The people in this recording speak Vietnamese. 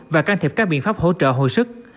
và can thiệp các biện pháp hỗ trợ hồi sức